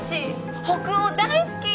北欧大好き！